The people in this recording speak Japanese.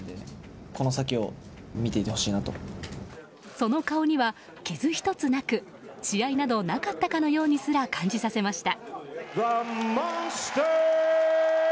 その顔には傷１つなく試合などなかったかのようにすら感じさせました。